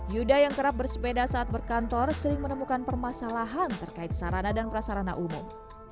yuda yang kerap bersepeda saat berkantor sering menemukan permasalahan terkait sarana dan prasarana umum